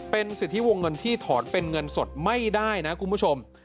เป็นสิทธิวงเงินที่ถอนเป็นเงินสดไม่ได้นะคุณผู้ชม